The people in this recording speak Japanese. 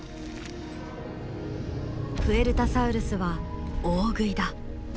プエルタサウルスは大食いだ。